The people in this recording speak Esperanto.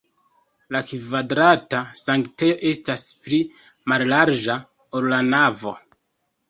La kvadrata sanktejo estas pli mallarĝa, ol la navo.